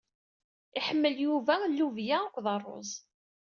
Iḥemmel Yuba llubya akked ṛṛuz.